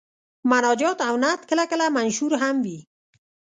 مناجات او نعت کله کله منثور هم وي.